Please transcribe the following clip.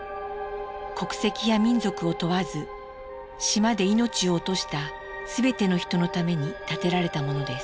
国籍や民族を問わず島で命を落とした全ての人のために建てられたものです。